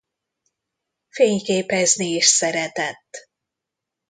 Fényképezni is szeretett.